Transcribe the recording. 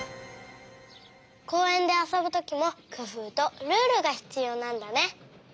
こうえんであそぶときもくふうとルールがひつようなんだね！